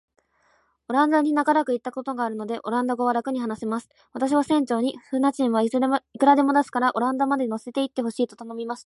オランダに長らくいたことがあるので、オランダ語はらくに話せます。私は船長に、船賃はいくらでも出すから、オランダまで乗せて行ってほしいと頼みました。